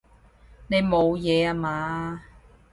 你冇嘢啊嘛？